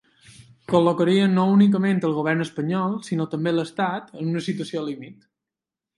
Col·locarien, no únicament el govern espanyol, sinó també l’estat, en una situació límit.